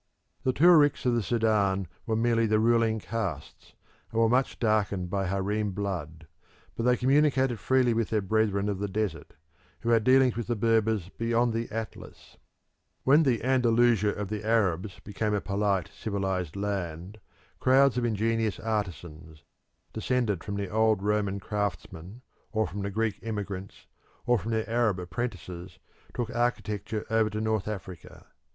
The Tuaricks of the Sudan were merely the ruling castes, and were much darkened by harem blood, but they communicated freely with their brethren of the desert, who had dealings with the Berbers beyond the Atlas. When the Andalusia of the Arabs became a polite civilised land crowds of ingenious artisans, descended from the old Roman craftsmen or from the Greek emigrants, or from their Arab apprentices, took architecture over to North Africa.